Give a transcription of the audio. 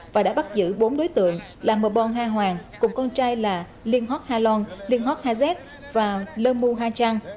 và đã bắt giữ bốn đối tượng là mbong ha hoàng cùng con trai là linh hót ha long linh hót ha zét và lơ mưu ha trang